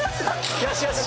よしよし！